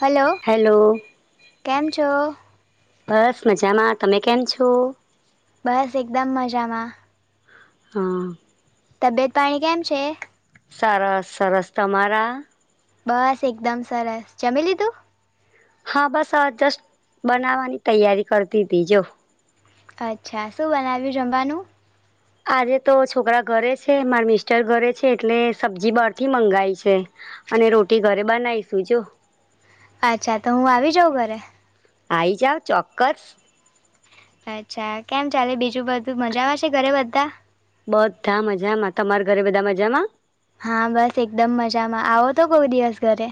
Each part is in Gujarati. હલો હેલો કેમ છો બસ મજામાં, તમે કેમ છો? બસ એકદમ મજામાં. હા તબિયત પાણી કેમ છે? સરસ સરસ તમારા? બસ એકદમ સરસ, જમી લીધું? હા બસજસ્ટ બનાવવાની તૈયારી કરતી દેજો. અચ્છા શું બનાવ્યું જમવાનું. આજે તો છોકરા ઘરે છે માર મિસ્ટર ઘરે છે એટલે સબ્જી બહારથી મંગાય છે. અને રોટી ઘરે બનાવીશું જો. અચ્છા તો હું આવી જાઉં ઘરે? આઈ જાવ ચોક્કસ અચ્છા કેમ ચાલે બીજું બધું મજામાં છે, ઘરે બધા બધા મજામાં તમારા ઘરે બધા મજામાં? હા બસ એકદમ મજામાં, આવો તો બૌઉ દિવસ ઘરે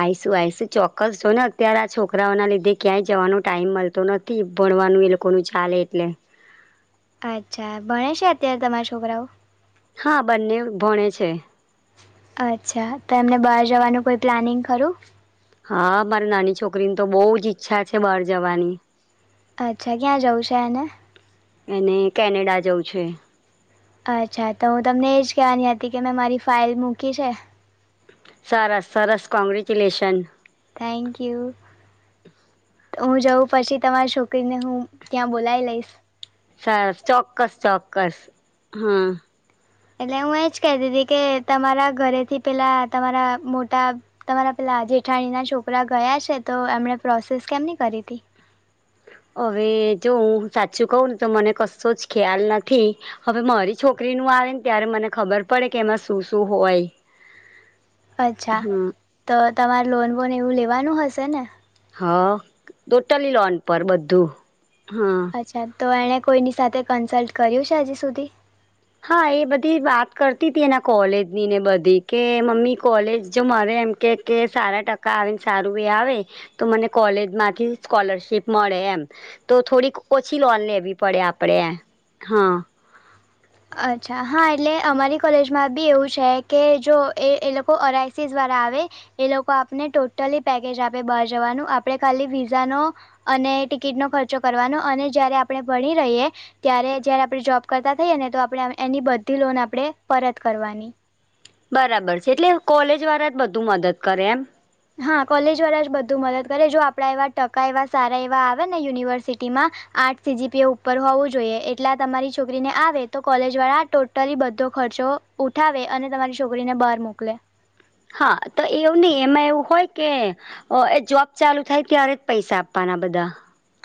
આઈશું આઈશું ચોક્કસ જો ને અત્યારે, આ છોકરાઓના લીધે ક્યાંય જવાનો ટાઈમ મળતો નથી. ભણવાનું એ લોકોનું ચાલે એટલે અચ્છા ભણે છે, અત્યારે તમારા છોકરાઓ? હા બંને ભણે છે. અચ્છા, તો એમને બહાર જવાનું કોઈ પ્લાનિંગ ખરું હા મારી નાની છોકરીની તો બહુ જ ઈચ્છા છે, બહાર જવાની અચ્છા ક્યાં જાઉ છે, એને એને કેનેડા જઉ છે. અચ્છા તો હું તમને એજ કહેવાની હતી, કે મેં મારી ફાઇલ મૂકી છે. સરસ- સરસ ક કોંગ્રેચ્યુલેશન થેન્ક યુ. હું જઉં પછી તમારી છોકરીને હું ત્યાં બોલાવી લઈશ. સરસ ચોક્કસ ચોક્કસ હમ એટલે હું એજ કતી હતી કે તમારા ઘરેથી પેલા તમારા મોટા તમારા પેલા જેઠાણીના છોકરા ગયા છે, તો એમણે પ્રોસેસ કેમની કરી હતી? હવે જો હું સાચું કહું ને તો, મને કશો જ ખ્યાલ નથી. હવે મારી છોકરી નું આવે ને ત્યારે મને ખબર પડે કે એમાં શું શું હોય. અચ્છા, હમ તો તમારે લોન બોન એવું લેવાનું હશે હા ટોટલી લોન પર બધું હા અચ્છા તો એણે કોઈની સાથે કન્સલ્ટ કર્યું છે, હજી સુધી હા એ બધી વાત કરતી હતી, એના કોલેજની ને બધી કે મમ્મી કોલેજ જો મળરે એમ કે કે સારા ટકા આવે ને સારું એ આવે તો મને કોલેજ માંથી સ્કોલરશીપ મળે એમ તો થોડીક ઓછી લોન લેવી પડે આપડે હા અચ્છા હા એટલે અમારી કોલેજમાં બી એવું છે, કે જો એ કે લોકો ઓઆઈસીસ દ્વારા આવે એ લોકો આપને ટોટલી પેકેજ આપે બહાર જવાનું, આપણે ખાલી વિઝા નો અને ટિકિટ નો ખર્ચો કરવાનો અને જયારે આપણે, ભણી રહીએ ત્યારે જયારે આપણે જોબ કરતા થઈએ ને તો આપણે, એની બધી લોન આપડણે પરત કરવાની બરાબર છે, એટલે કોલેજ વાળા જ બધું મદદ કરે એમ હા કોલેજ વાળા જ બધું મદદ કરે જો આપણા, એવા ટકા એવા સારા એવા આવે ને યુનિવર્સિટી માં આઠ સીજીપીએ ઉપર હોવું જોઈએ, એટલે આ તમારી છોકરીને આવે તો કોલેજ વાળા ટોટલી બધો ખર્ચો ઉઠાવે અને તમારી છોકરીને બહાર મોકલે હા, તો એવું નહી એમાં એવું હોય કે એ જોબ ચાલુ થાય ત્યારે, જ પૈસા આપવાના બધા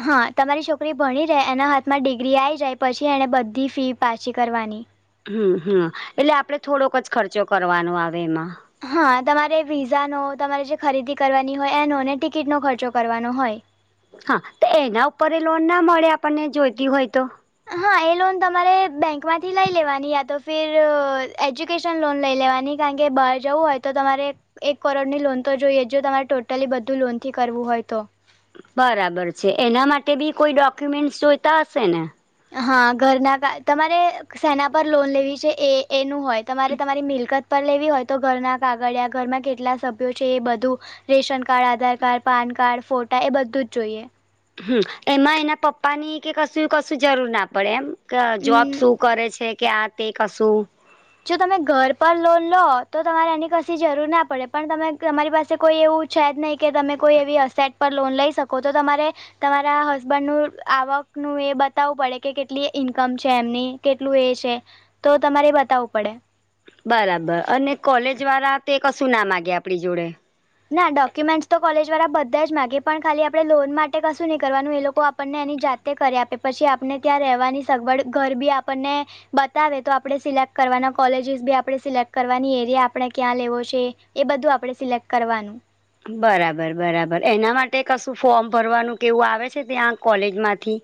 હા તમારી છોકરી ભણી રહે એના હાથમાં ડિગ્રી આવી જાય પછી, એને બધી ફી પાછી કરવાની. હમ હમએટલે, આપડે થોડોક જ ખર્ચો કરવાનો આવે એમાં હા, તમારે વિઝાનો, તમારે જે ખરીદી કરવાની હોય, એનો ને ટિકિટનો ખર્ચો કરવાનો હોય હા, તો એના ઉપર લોન ના મળે આપણને જોઈતી હોય તો હા, એ લોન તમારે બેંક માંથી લઈ લેવાની તો ફિર એ્યુકેશન લોન લઈ લેવાની કારણ કે બહાર જવું હોય તો, તમારે એક કરોડ ની લોન તો જોઈએ, જો તમારે ટોટલી બધું લોન થી કરવું હોય તો બરાબર છે એના માટે બી કોઈ ડોક્યુમેન્ટ્સ જોઈતા હશે ને? હા ઘરના તમારે સેના પર લોન લેવી છે એ એનું હોય તમારે તમારી મિલકત પર લેવી હોય તો, ઘરના કાગળિયા ઘરમાં કેટલા સભ્યો છે, એ બધું ration card, Aadhaar card, PAN card, ફોટા એ બધું જ જોઈએ હમ, એમાં એના પપ્પાની કે કશું કશું જરૂર ના પડે એમ કે જોબ હમ્મ શું કરે છે, કે આ તે કશું જો તમે ઘર પર લોન લો તો તમારે એની કશી જરૂર ના પડે પણ તમે તમારી પાસે કોઈ એવું. છે જ નહીં કે તમે કોઈ એવી અ સેટ પર લોન લઈ શકો તો તમારે તમારા હસબન્ડ નું આવક નું એ બતાવવું પડે કે કેટલી ઈન્કમ છે એમની. કેટલું એ છે તો તમારે બતાવવું પડે. બરાબર અને કોલેજ વાળા તે કશું ના માગે આપણી જોડે. ના ડોક્યુમેન્ટસ તો કોલેજ વાળા બધા જ માગી પણ ખાલી આપણે લોન માટે કશું નહીં કરવાનું એ લોકો આપણને એની જાત તે કરી આપે પછી આપણે ત્યાં રહેવાની સગવડ ઘર બી આપણને બતાવે તો આપણે સિલેક્ટ કરવાના કોલેજીસ બી આપણે સિલેક્ટ કરવાની એરિયા આપણે ક્યાં લેવો છે. એ બધું આપડણે સિલેક્ટ કરવાનું. બરાબર બરાબર એના માટે કશું ફોર્મ ભરવાનું કેવું આવે છે ત્યાં કોલેજમાંથી?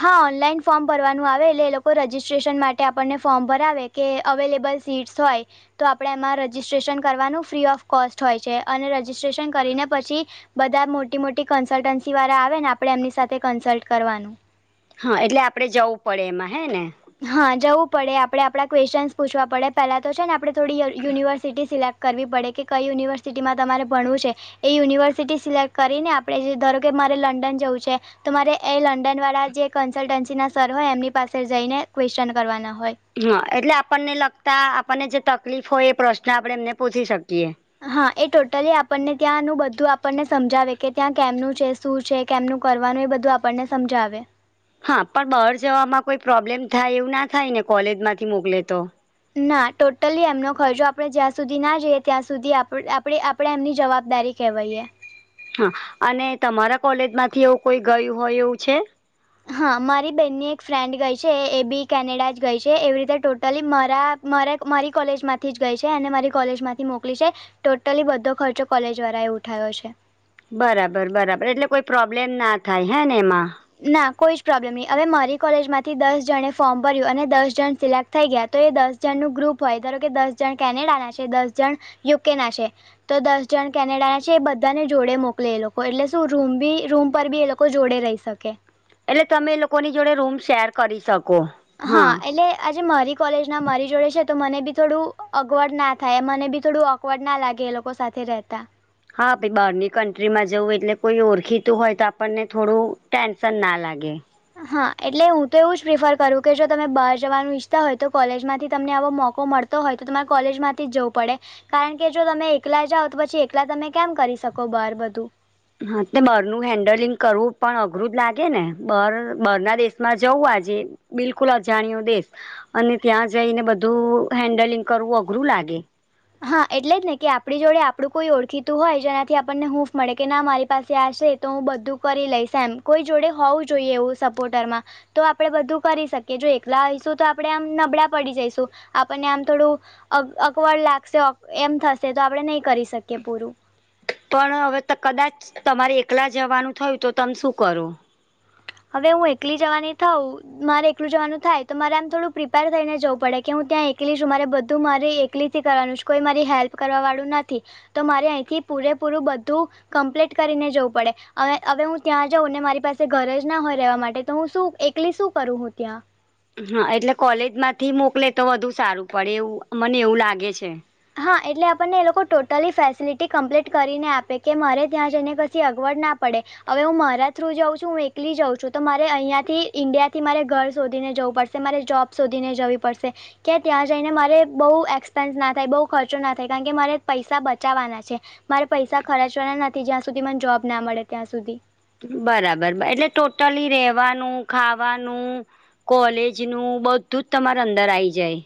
હા ઓનલાઈન ફોર્મ ભરવાનું આવે એટલે એ લોકો રજીસ્ટ્રેશન માટે આપણને ફોર્મ ભરાવે. કે અવેલેબલ સીટ્સ હોય. તો આપણે એમાં રજીસ્ટ્રેશન કરવાનું ફ્રી ઓફ કોસ્ટ હોય છે અને રજીસ્ટ્રેશન કરીને પછી બધા મોટી મોટી કન્સલ્ટન્સી વાળા આવે ને આપડે એમની સાથે કન્સલ્ટ કરવાનું. હા એટલે આપણે જવું પડે એમાં હે ને. હા જવું પડે આપણે આપણા ક્વેશ્નસ પૂછવા પડે પેલા તો છે ને આપણે થોડી યુનિવર્સિટી સિલેક્ટ કરવી પડે કે કઈ યુનિવર્સિટીમાં તમારે ભણવું છે. એ યુનિવર્સિટી સિલેક્ટ કરીને આપણે જે ધારો કે મારે લંડન જવું છે. તમારે એ લંડન વાળા જે કન્સલ્ટન્સી ના સર હોય એમની પાસે જઈને ક્વેશચન કરવાના હોય. હા એટલે આપણને લગતા આપણને જે તકલીફ હોય એ પ્રશ્ન આપણે એમને પૂછી શકીએ. હા એ ટોટલી આપણને ત્યાંનું બધું આપણને સમજાવે કે ત્યાં કેમનું છે. શું છે કેમનું કરવાનું એ બધું આપણને સમજાવે. હા પણ બહાર જવામાં કોઈ પ્રોબ્લેમ થાય એવું ના થાય ને કોલેજમાંથી મોકલે તો? ના ટોટલી એમનો ખર્ચો આપણે જ્યાં સુધી ના જઈએ ત્યાં સુધી આપ આપણે આમ આપણે એમની જવાબદારી કહેવાએ. હા અને તમારા કોલેજમાંથી એવું કોઈ ગયું હોય એવું છે? હા મારી બેહેનની એક ફ્રેન્ડ ગઈ છે એ બી કેનેડા જ ગઈ છે એવી રીતે ટોટલી મારા મારે મારી કોલેજમાંથી જ ગઈ છે અને મારી કોલેજમાંથી મોકલી છે. ટોટલી બધો ખર્ચો કોલેજ વાળા એ ઉઠાયો છે. બરાબર બરાબર એટલે કોઈ પ્રોબ્લેમ ના થાય હે ને એમાં? ના કોઈ જ પ્રોબ્લેમ નહી હવે મારી કોલેજમાંથી દસ જણે ફોર્મ ભર્યું અને દસ જણ સિલેક્ટ થઈ ગયા તો એ દસ જણનું ગ્રુપ હોય ધારો કે દસ જણ કેનેડા ના છે દસ જણ યુકે ના છે. તો દસ જણ કેનેડા ના છે એ બધાને જોડે મોકલે એ લોકો એટલે શું રૂમ બી રૂમ પર બી એ લોકો જોડે રહી શકે. એટલે તમે એ લોકોની જોડે રૂમ શેર કરી શકો. હા એટલે આજે મારી કોલેજ ના મારી જોડે છે તો મને બી થોડું અગવડ ના થાય મને બી થોડું અકવડ ના લાગે એ લોકો સાથે રહેતા. હા ભાઈ બહારની કન્ટ્રીમાં જવું એટલે કોઈ ઓળખીતું હોય તો આપણને થોડું ટેન્શન ના લાગે. હા એટલે હું તો એવું જ પ્રિફર કરું કે જો તમે બહાર જવાનું ઈચ્છતા હોય તો કોલેજમાંથી તમને આવો મોકો મળ તો હોય તો તમારે કોલેજમાંથી જવું પડે. કારણ કે જો તમે એકલા જાઓ તો પછી એકલા તમે કેમ કરી શકો બાર બધું. હા એટલે બરનું હેન્ડલિંગ કરવું પણ અઘરું જ લાગે ને બર બર ના દેશમાં જવું આજે બિલકુલ અજાણ્યો દેશ અને ત્યાં જઈને બધું હેન્ડલિંગ કરવું અઘરું લાગે. હા એટલે જ ને કે આપણી જોડે આપણું કોઈ ઓળખીતું હોય જેનાથી આપણને હુંફ મળે કે ના મારી પાસે આશે તો હું બધું કરી લઈશ એમ કોઈ જોડે હોવું જોઈએ એવું સપોર્ટરમાં. તો આપડે બધું કરી શકીએ જો એકલા આવીઈશું તો આપણે આમ નબળા પડી જઈશું આપણને આમ થોડું. અકવડ લાગશે એમ થશે તો આપડે નહી કરી શકીએ પૂરું. પણ હવે કદાચ તમારે એકલા જવાનું થયું તો તમે શું કરો? હવે હું એકલી જવાની થઉું. મારે એકલું જવાનું થાય તો મારે આમ થોડું પ્રિપેર થઈને જવું પડે કે હું ત્યાં એકલી છું મારે બધું મારે તકલીથી કરવાનું છે કોઈ મારી હેલ્પ કરવાવાળું નથી તો મારે અહીંથી પૂરેપૂરું બધું. મ્પ્લીટ કરીને જવું પડે, હવે હું ત્યાં જાઉ ને મારી પાસે ઘરે જ ના હોય રહેવા માટે તો હું શું એકલી શું કરું હું ત્યાં? હા એટલે કોલેજ માંથી મોકલે તો વધુ સારું પડે એવું મને એવું લાગે છે. હા એટલે આપણને એ લોકો ટોટલી ફેસિલિટી કમ્પ્લીટ કરીને આપે કે મારે ત્યાં જઈને કછી અગવડ ના પડે. હવે હું મારા થ્રુ જાઉં છું હું એકલી જાઉં છું તો મારે અહીંયા થી ઈન્ડિયા થી મારે ઘર શોધીને જવું પડશે. મારે જોબ સુધીને જવી પડશે કે ત્યાં જઈને મારે બહુ એક્સપેન્સ ના થાય બહુ ખર્ચો ના થાય કારણ કે મારે પૈસા બચાવવાના છે. મારે પૈસા ખર્ચવાના નથી જ્યાં સુધી મને જોબ ના મળે ત્યાં સુધી. બરાબર એટલે ટોટલી રેવાનું, ખાવાનું કોલેજ નું બધું જ તમારા અંદર આઈ જાય.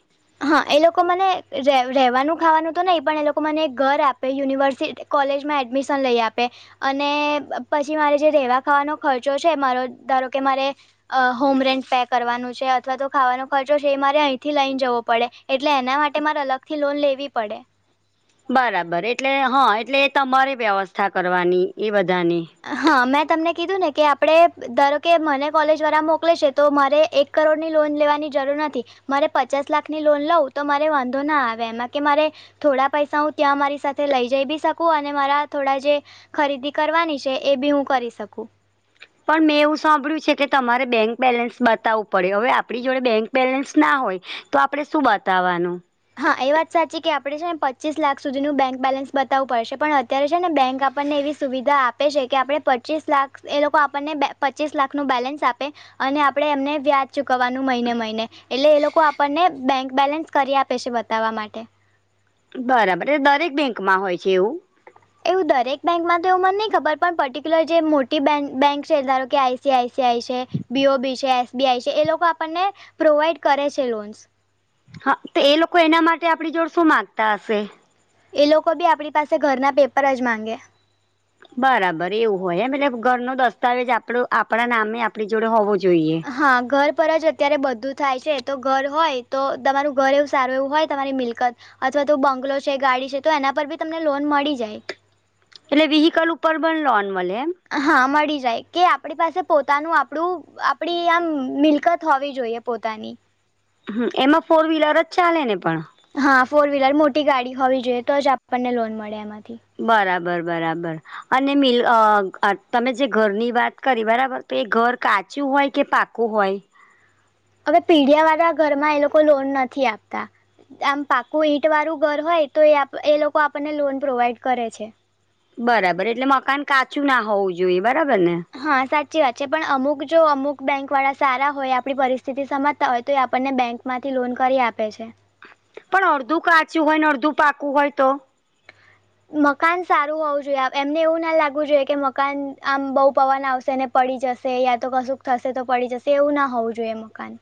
હા એ લોકો મને રેહ રહેવાનું ખાવાનું તો નહી પણ એ લોકો મને ઘર આપે યુનિવર્સિ કોલેજમાં એડમિશન લઈ આપે. અને પછી મારે જે રેવા ખાવાનો ખર્ચો છે મારો ધારો કે મારે અ હોમ રેન્ટ પે કરવાનું છે અથવા તો ખાવાનો ખર્ચો છે એ મારે અહીંથી લઈ જવો પડે એટલે એના માટે મારે અલગથી લોન લેવી પડે. બરાબર એટલે હા એટલે એ તમારે વ્યવસ્થા કરવાની એ બધાને. હા મેં તમને કીધું ને કે આપણે ધારો કે મને કોલેજ દ્વારા મોકલે છે તો મારે એક કરોડની લોન લેવાની જરૂર નથી. મારે પચાસ લાખની લોન લઉ તો મારે વાંધો ના આવે એમાં કે મારે થોડા પૈસા હું ત્યાં મારી સાથે લઈ જઈ બી શકું અને મારા થોડા જે ખરીદી કરવાની છે એ બી હું કરી શકું. પણ મેં એવું સાંભળ્યું છે કે તમારે બેંક બેલેન્સ બતાવું પડે. હવે આપણી જોડે બેંક બેલેન્સ ના હોય તો આપણે શું બતાવવાનું? હા એ વાત સાચી કે આપણે છે ને પચીસ લાખ સુધીનું બેંક બેલેન્સ બતાવવું પડશે. પણ અત્યારે છે ને બેંક આપણને એવી સુવિધા આપે છે કે આપણે પચીસ લાખ એ લોકો આપણને પચીસ લાખનું બેલેન્સ આપે. અને આપડે એમને વ્યાજ ચૂકવવાનું મહિને મહિને એટલે એ લોકો આપણને બેંક બેલેન્સ કરી આપ પે છે બતાવવા માટે. બરાબર એલે દરેક બેંકમાં હોય છે એવું. એવું દરેક બેંકમાં તો એવું મને નહીં ખબર પણ પર્ટિક્યુલર જે મોટી બેન્ક છે ધારો કે I C I C I છે બી ઓ બી છે એસ બી આઈ છે એ લોકો આપણને પ્રોવાઈડ કરે છે લોન્સ. હા તો એ લોકો એના માટે આપડી જોડ શું માંગતા હશે? એ લોકો બી આપણી પાસે ઘરના પેપર જ માંગે. બરાબર એવું હોય મતલે ઘરનો દસ્તાવેજ આપણો આપણા નામે આપણી જોડે હોવો જોઈએ. હા ઘર પર જ અત્યારે બધું થાય છે તો ઘર હોય તો તમારું ઘર એવું સારું એવું હોય તમારી મિલકત અથવા તો બંગલો છે, ગાડી છે તો એના પર બી તમને લોન મળી જાય. એટલે વ્હીકલ ઉપર પણ લોન મળે એમ? હા મળી જાય કે આપણી પાસે પોતાનું આપણું આપડી આમ મિલકત હોવી જોઈએ. પોતાની. હમ્મ, એમાં ફોર વ્હીલર જ ચાલે ને પણ? હા ફોર વ્હીલર મોટી ગાડી હોવી જોઈએ તો જ આપણને લોન મળે એમાંથી. બરાબર બરાબર. અને મિ તમે જે ઘરની વાત કરી બરાબર તો એ ઘર કાચું હોય કે પાક કુ હોય. હવે પીડિયા વાળા ઘરમાં એ લોકો લોન નથી આપતા- આમ પાકું ઈંટ વાળું ઘર હોય તો એ એ લોકો આપણને લોન પ્રોવાઈડ કરે છે. બરાબર એટલે મકાન કાચું ના હોવું જોઈએ બરાબર ને? હા સાચી વાત છે પણ અમુક જો અમુક બેંક વાળા સારા હોય આપણી પરિસ્થિતિ સમાજતા હોય તો એ આપણને બેંક માંથી લોન કરી આપે છે. પણ અડધું કાચું હોય ને અડધું પાકું હોય તો? મકાન સારું હોવું જોઈએ એમને એવું ના લાગવું જોઈએ કે મકાન આમ બહુ પવન આવશે ને- પડી જશે યા તો કશું થશે તો પડી જશે એવું ના હોવું જોઈએ મકાન-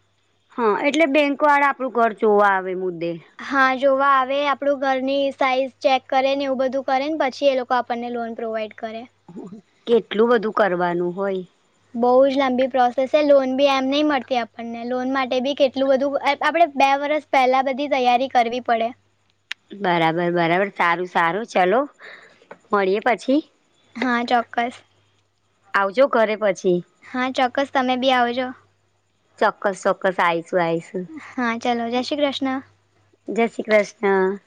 હા એટલે બેંક વાળા આપણું ઘરચ જોવા આવે મુદ્દે. હા જોવા આવે આપડું ઘરની સાઈઝ ચેક કરે ને એવું બધું કરે પછી એ લોકો- તો આપણને લોન પ્રોવાઈડ કરે- કેટલું બધું કરવાનું હોય- બહુ જ લાંબી પ્રોસેસ છે લોન બી એમ નહી મળતી આપણને લોન માટે બી કેટલું બધું આપડે બે વર્ષ- પેલા બધી તૈયારી કરવી પડે- બરાબર બરાબર સારું સારું ચલો મળીએ પછી- હા ચોક્કસ- આવજો ઘરે પછી- હા ચોક્કસ તમે બી આવજો- ચોક્કસ ચોક્કસ આઈસ આઈસ- હા ચલો જયશ્રી કૃષ્ણ- જય શ્રી કૃષ્ણ-